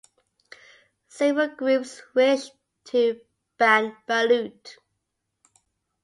Several groups wish to ban balut.